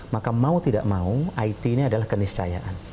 maka mau tidak mau it ini adalah keniscayaan